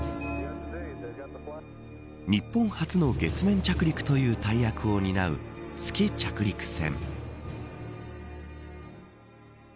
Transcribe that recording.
日本初の月面着陸という大役を担う月着陸船。